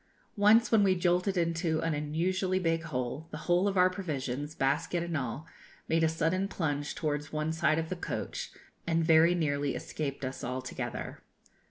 Once, when we jolted into an unusually big hole, the whole of our provisions, basket and all, made a sudden plunge towards one side of the coach, and very nearly escaped us altogether.